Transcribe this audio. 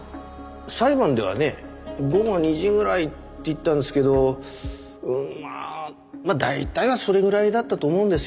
裁判ではね午後２時ぐらいって言ったんですけどうんまあ大体はそれぐらいだったと思うんですよ。